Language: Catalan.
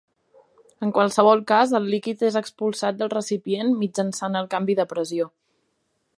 En qualsevol cas el líquid és expulsat del recipient mitjançant el canvi de pressió.